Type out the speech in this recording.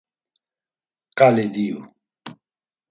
Ǩali diyu.